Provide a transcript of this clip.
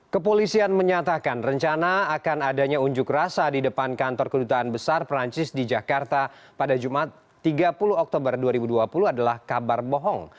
kepolisian menyatakan rencana akan adanya unjuk rasa di depan kantor kedutaan besar perancis di jakarta pada jumat tiga puluh oktober dua ribu dua puluh adalah kabar bohong